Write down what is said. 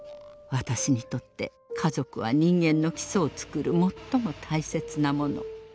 私にとって家族は人間の基礎を作る最も大切なもの。